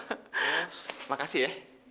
terima kasih ya